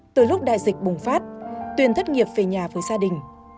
từ lúc đại dịch bùng phát tuyên thất nghiệp về nhà với gia đình